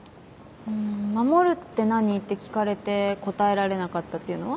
「守るって何？」って聞かれて答えられなかったっていうのは？